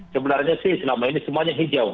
sebenarnya sih selama ini semuanya hijau